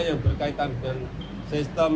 yang berkaitan dengan sistem